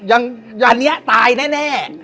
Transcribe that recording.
อันนี้ตายแน่